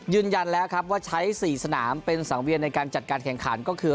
ยืนยันแล้วครับว่าใช้๔สนามเป็นสังเวียนในการจัดการแข่งขันก็คือ